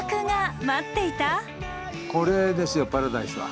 これですよパラダイスは。